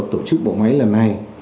tổ chức bộ máy lần này